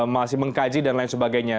masih mengkaji dan lain sebagainya